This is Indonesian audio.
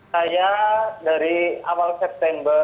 saya dari awal september dua ribu enam belas